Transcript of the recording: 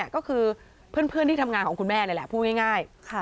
ก็คือเพื่อนที่ทำงานของคุณแม่นี่แหละพูดง่าย